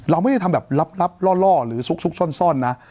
เราไม่ได้ทำแบบลับล่อหรือซุกซ่อนนะ